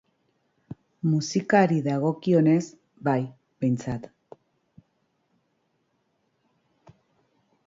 Musikari dagokionez, bai, behintzat.